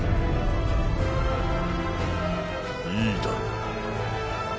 いいだろう。